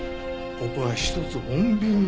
ここはひとつ穏便に。